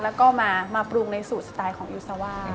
แล้วก็มาปรุงในสูตรสไตล์ของอิลซาว่า